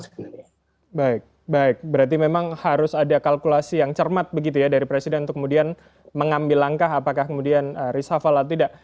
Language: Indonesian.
baik baik berarti memang harus ada kalkulasi yang cermat begitu ya dari presiden untuk kemudian mengambil langkah apakah kemudian reshuffle atau tidak